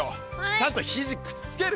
ちゃんと肘くっつける。